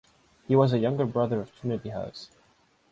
He was a Younger Brother of Trinity House.